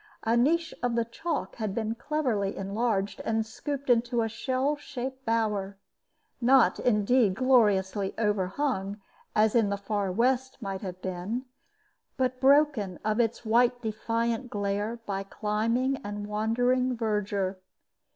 A niche of the chalk had been cleverly enlarged and scooped into a shell shaped bower, not, indeed, gloriously overhung, as in the far West might have been, but broken of its white defiant glare by climbing and wandering verdure.